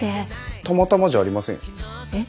たまたまじゃありませんよ。えっ？